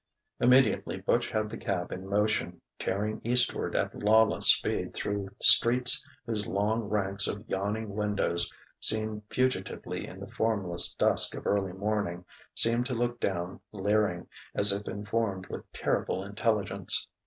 Immediately Butch had the cab in motion, tearing eastward at lawless speed through streets whose long ranks of yawning windows, seen fugitively in the formless dusk of early morning, seemed to look down leering, as if informed with terrible intelligence.